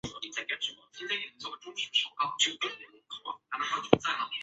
一点都没有该有的礼貌